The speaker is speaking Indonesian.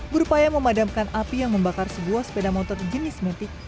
berupaya memadamkan api yang membakar sebuah sepeda motor jenis metik